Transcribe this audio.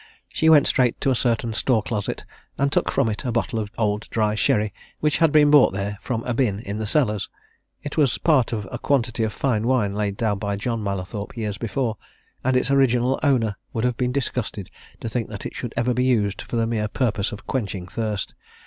She went straight to a certain store closet and took from it a bottle of old dry sherry which had been brought there from a bin in the cellars it was part of a quantity of fine wine laid down by John Mallathorpe, years before, and its original owner would have been disgusted to think that it should ever be used for the mere purpose of quenching thirst.